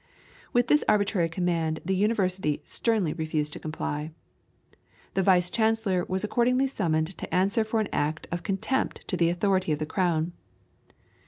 With this arbitrary command the University sternly refused to comply. The Vice Chancellor was accordingly summoned to answer for an act of contempt to the authority of the Crown.